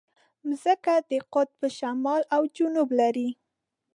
مځکه د قطب شمال او جنوب لري.